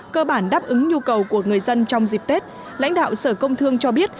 cơ bản đáp ứng nhu cầu của người dân trong dịp tết lãnh đạo sở công thương cho biết